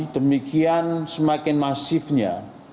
demikian semakin masifnya